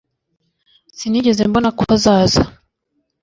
sinigeze mbona ko azaza